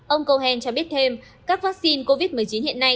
ông cohen cho biết thêm các vaccine covid một mươi chín hiện nay